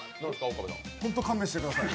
ホント勘弁してください。